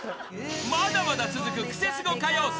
［まだまだ続くクセスゴ歌謡祭］